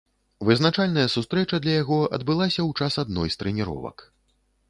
Вызначальная сустрэча для яго адбылася ў час адной з трэніровак.